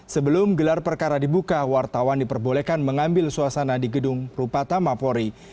sebelum gelar perkara dibuka wartawan diperbolehkan mengambil suasana di gedung rupata mapori